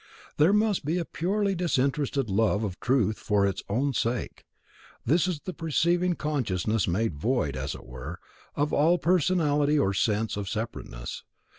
There must be a purely disinterested love of truth for its own sake. Thus is the perceiving consciousness made void, as it were, of all personality or sense of separateness.